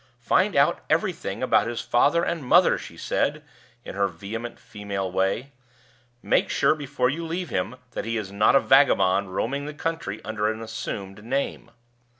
"Find out everything about his father and mother!" she said, in her vehement female way. "Make sure before you leave him that he is not a vagabond roaming the country under an assumed name."